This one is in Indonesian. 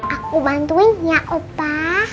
aku bantuin ya opa